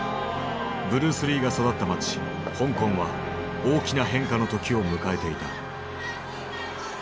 ブルース・リーが育った街香港は大きな変化の時を迎えていた。